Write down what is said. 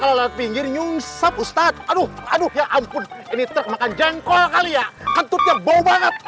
lalu pinggir nyosot ustaz aduh aduh aduh ya ampun ini terkena kajeng apalagi ya sang above banget